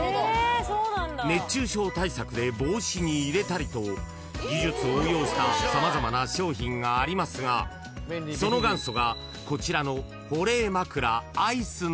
［熱中症対策で帽子に入れたりと技術を応用した様々な商品がありますがその元祖がこちらの保冷枕］